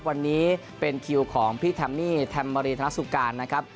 วันนี้เป็นคิวของพี่แทมมี่แทมรีธนสุการนะครับ